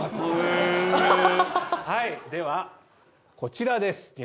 では、こちらです。